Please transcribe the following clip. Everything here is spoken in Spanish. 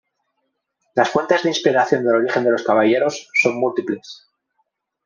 Las fuentes de inspiración del origen de los Caballeros son múltiples.